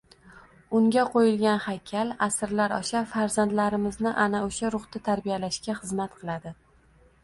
Unga qo‘yilgan haykal asrlar osha farzandlarimizni ana shu ruhda tarbiyalashga xizmat qiladi